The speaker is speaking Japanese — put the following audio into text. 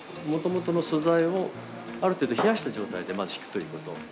もともとの素材をある程度冷やした状態でまずひくということ。